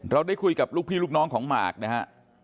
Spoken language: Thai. ได้คุยกับลูกพี่ลูกน้องของหมากนะฮะ